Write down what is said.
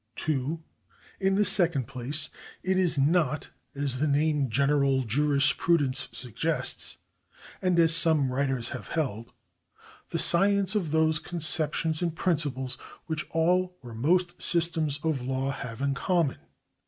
2. In the second place it is not, as the name general juris prudence suggests, and as some writers have held,^ the science of those conceptions and principles which all or most systems of law have in common.